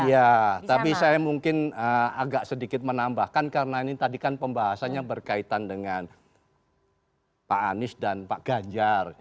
iya tapi saya mungkin agak sedikit menambahkan karena ini tadi kan pembahasannya berkaitan dengan pak anies dan pak ganjar